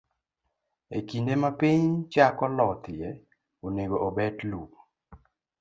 E kinde ma piny chako lothie, onego obet lum.